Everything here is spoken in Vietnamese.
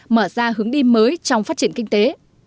mở ra hướng đi mới trong phát triển kinh tế